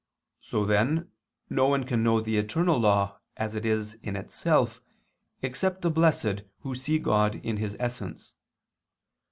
So then no one can know the eternal law, as it is in itself, except the blessed who see God in His Essence.